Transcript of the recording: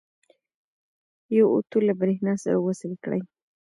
یو اوتو له برېښنا سره وصل کړئ.